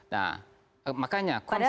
nah makanya konsep